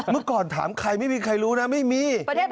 เมื่อก่อนถามใครไม่มีใครรู้นะไม่มี